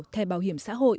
theo bảo hiểm xã hội